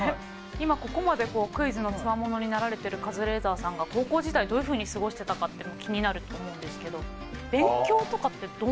今ここまでクイズの強者になられてるカズレーザーさんが高校時代どういうふうに過ごしてたかって気になると思うんですけど勉強とかってどういう？